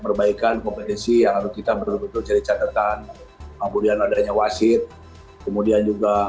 perbaikan kompetisi yang harus kita betul betul cari catatan kemudian adanya wasit kemudian juga